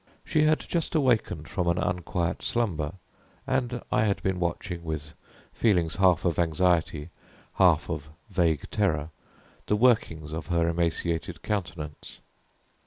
She had just awakened from an unquiet slumber, and I had been watching, with feelings half of anxiety, half of vague terror, the workings of her emaciated countenance.